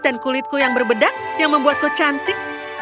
dan kulitku yang berbedak yang membuatku cantik